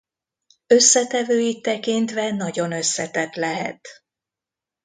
Összetevőit tekintve nagyon összetett lehet.